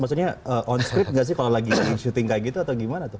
maksudnya on script gak sih kalau lagi syuting kayak gitu atau gimana tuh